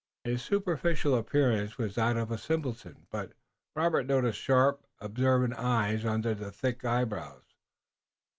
His superficial appearance was that of a simpleton, but Robert noticed sharp, observant eyes under the thick eyebrows.